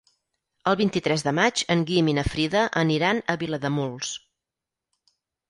El vint-i-tres de maig en Guim i na Frida aniran a Vilademuls.